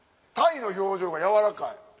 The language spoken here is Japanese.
鯛の表情がやわらかい。